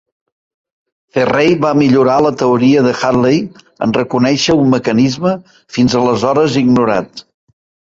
Ferrel va millorar la teoria de Hadley en reconèixer un mecanisme fins aleshores ignorat.